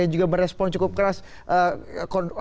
yang juga berespon cukup keras apa itu